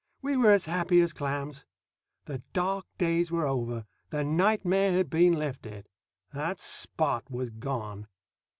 We were as happy as clams. The dark days were over. The nightmare had been lifted. That Spot was gone.